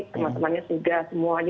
teman temannya sudah semua jadi